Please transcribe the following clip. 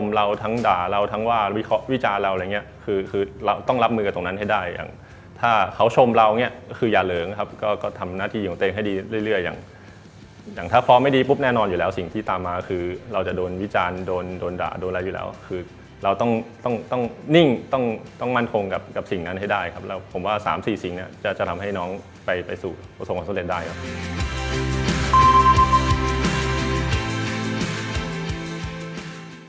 มเรานี่คืออย่าเหลิงครับก็ก็ทำหน้าที่ของตัวเองให้ดีเรื่อยอย่างอย่างถ้าฟอร์มไม่ดีปุ๊บแน่นอนอยู่แล้วสิ่งที่ตามมาคือเราจะโดนวิจารณ์โดนโดนด่าโดนอะไรอยู่แล้วคือเราต้องต้องต้องนิ่งต้องต้องมั่นคงกับกับสิ่งนั้นให้ได้ครับแล้วผมว่าสามสี่สิ่งนั้นจะจะทำให้น้องไปไปสู่ประสบความสำเร็จได้